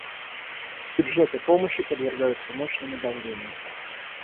Бюджеты помощи подвергаются мощному давлению.